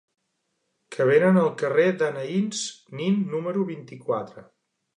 Què venen al carrer d'Anaïs Nin número vint-i-quatre?